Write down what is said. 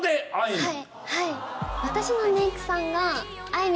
はい。